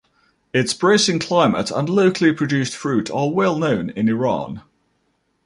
Its bracing climate and locally produced fruit are well known in Iran.